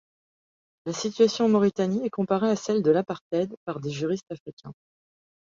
La situation en Mauritanie est comparée à celle de l’apartheid par des juristes africains.